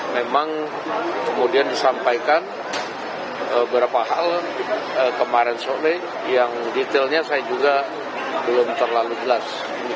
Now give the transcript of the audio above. memang kemudian disampaikan beberapa hal kemarin sore yang detailnya saya juga belum terlalu jelas